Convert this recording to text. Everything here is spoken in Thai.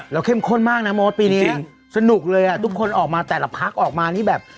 เราเข้มข้นมากนะโมธปีนี้จริงเฉยเนอะสนุกเลยอ่ะทุกคนออกมาแต่ละพราคออกมานี่แบบ